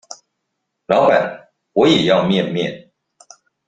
老闆我也要麵麵